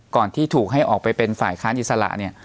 ที่ถูกให้ออกไปเป็นฝ่ายค้านอิสระเนี่ย